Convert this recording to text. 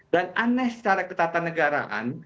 dan aneh secara ke tata negaraan